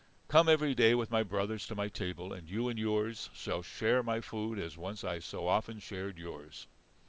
Come every day with my brothers to my table, and you and yours shall share my food, as once I so often shared yours."